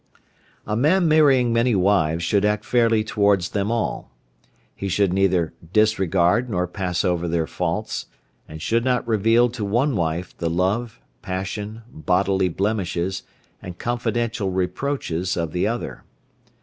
A man marrying many wives should act fairly towards them all. He should neither disregard nor pass over their faults, and should not reveal to one wife the love, passion, bodily blemishes, and confidential reproaches of the other.